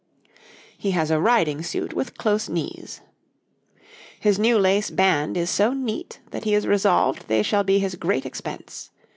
He has a riding suit with close knees. His new lace band is so neat that he is resolved they shall be his great expense.